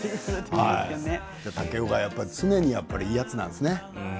竹雄、やっぱり常にいいやつなんですね。